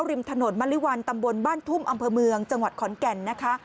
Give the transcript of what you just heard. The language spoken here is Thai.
ริมถนนมริวัลตำบลบ้านทุ่มอำเภอเมืองจังหวัดขอนแก่นนะคะ